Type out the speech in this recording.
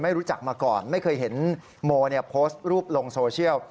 รู้จักมาก่อนไม่เคยเห็นโมโพสต์รูปลงโซเชียล